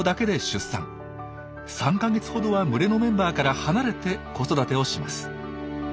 ３か月ほどは群れのメンバーから離れて子育てをします。